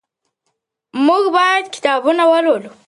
موږ باید کتابونه ولولو.